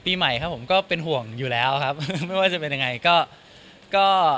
ปีใหม่ครับผมก็เป็นห่วงอยู่แล้วครับไม่ว่าจะเป็นยังไงก็ก็